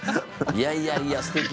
いやいやいやすてき。